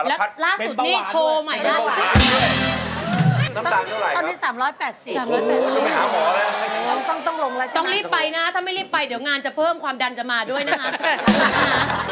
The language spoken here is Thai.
แล้วล่าสุดนี้โชว์ใหม่ล่ะต้อนรีบไปนะถ้าไม่รีบไปเดี๋ยวงานจะเพิ่มความดันจะมาด้วยนะฮะ